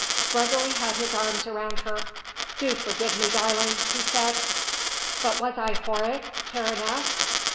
Gregory had his arms around her. "Do forgive me, darling," he said. "But was I horrid?" Karen asked.